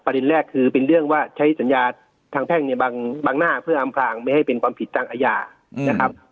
แรกคือเป็นเรื่องว่าใช้สัญญาทางแพ่งเนี่ยบางหน้าเพื่ออำพลางไม่ให้เป็นความผิดทางอาญานะครับ